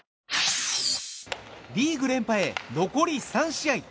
リーグ連覇へ、残り３試合。